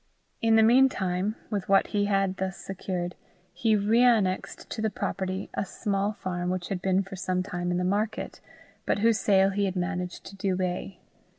In the mean time, with what he had thus secured, he reannexed to the property a small farm which had been for some time in the market, but whose sale he had managed to delay.